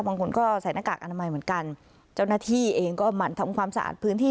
บางคนก็ใส่หน้ากากอนามัยเหมือนกันเจ้าหน้าที่เองก็หมั่นทำความสะอาดพื้นที่